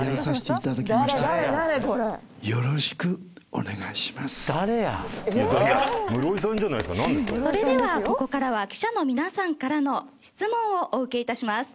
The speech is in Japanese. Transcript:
おお室井さん。私はそれではここからは記者の皆さんからの質問をお受け致します。